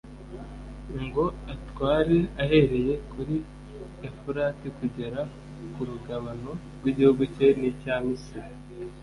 ngo atware ahereye kuri efurati kugera ku rugabano rw'igihugu cye n'icya misiri